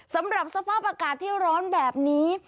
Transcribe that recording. สำหรับสภาพอากาศที่ร้อนแบบนี้